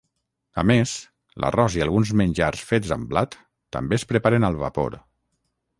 A més, l'arròs i alguns menjars fets amb blat també es preparen al vapor.